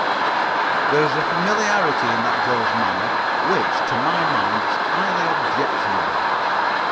There is a familiarity in that girl's manner which to my mind is highly objectionable.